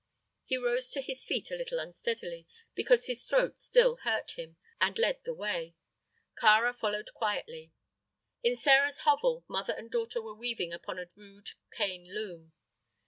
He rose to his feet a little unsteadily, because his throat still hurt him, and led the way. Kāra quietly followed. In Sĕra's hovel mother and daughter were weaving upon a rude cane loom.